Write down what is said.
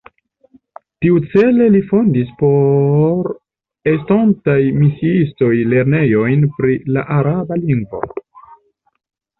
Tiucele li fondis por estontaj misiistoj lernejojn pri la araba lingvo.